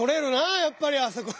やっぱりあそこは。